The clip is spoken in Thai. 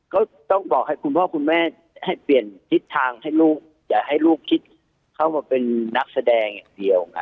ก็ต้องบอกให้คุณพ่อคุณแม่ให้เปลี่ยนทิศทางให้ลูกอย่าให้ลูกคิดเข้ามาเป็นนักแสดงอย่างเดียวค่ะ